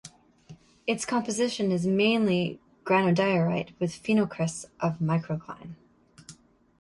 Its composition is mainly granodiorite with phenocrysts of microcline.